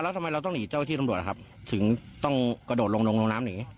แล้วทำไมเราต้องหนีเจ้าที่ตำรวจล่ะครับถึงต้องกระโดดลงลงน้ำหนี